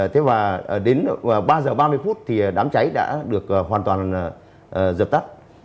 thế và đến ba h ba mươi phút thì đám cháy đã được hoàn toàn dập tắt